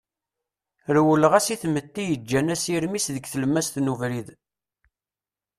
Rewleɣ-as i tmetti yeǧan asirem-is deg tlemmast n ubrid.